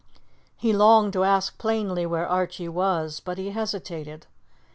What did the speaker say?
He longed to ask plainly where Archie was, but he hesitated.